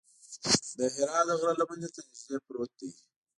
د حرا د غره لمنې ته نږدې پروت دی.